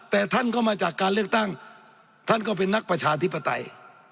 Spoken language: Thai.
แต่ท่านก็มาจากการเลือกตั้งท่านก็เป็นนักประชาธิปไตย